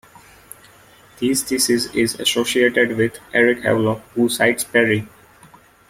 This thesis is associated with Eric Havelock, who cites Parry.